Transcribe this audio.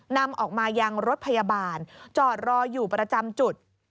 นำออกมายังรถพยาบาลจอดรออยู่ประจำจุด